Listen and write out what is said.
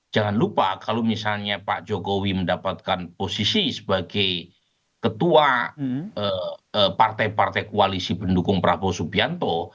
jangan lupa kalau misalnya pak jokowi mendapatkan posisi sebagai ketua partai partai koalisi pendukung prabowo subianto